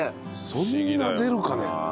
そんな出るかね。